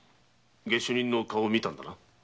下手人の顔を見たのか？